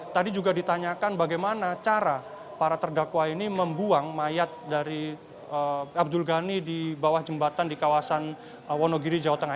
tadi juga ditanyakan bagaimana cara para terdakwa ini membuang mayat dari abdul ghani di bawah jembatan di kawasan wonogiri jawa tengah